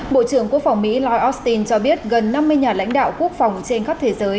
bộ trưởng quốc phòng mỹ lloyd austin cho biết gần năm mươi nhà lãnh đạo quốc phòng trên khắp thế giới